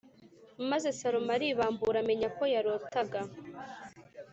Maze salomo aribambura amenya ko yarotaga